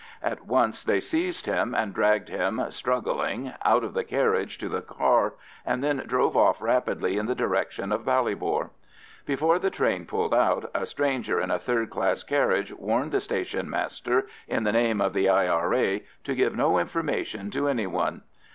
At once they seized him, and dragged him, struggling, out of the carriage to the car, and then drove off rapidly in the direction of Ballybor. Before the train pulled out, a stranger in a third class carriage warned the station master, in the name of the I.R.A., to give no information to any one.